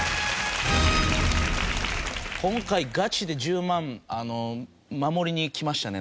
今回ガチで１０万守りにきましたね